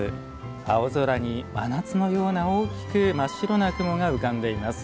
青空に真夏のような大きく真っ白な雲が浮かんでいます。